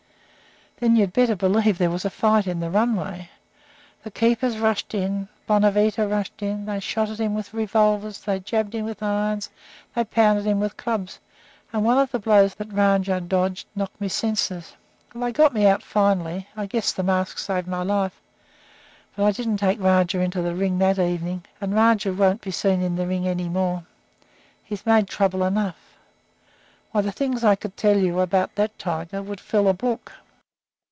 "Then you'd better believe there was a fight in that runway! The keepers rushed in; Bonavita rushed in. They shot at him with revolvers, they jabbed him with irons, they pounded at him with clubs; and one of the blows that Rajah dodged knocked me senseless. Well, they got me out finally. I guess the mask saved my life. But I didn't take Rajah into the ring that evening, and Rajah won't be seen in the ring any more. He's made trouble enough. Why, the things I could tell you about that tiger would fill a book."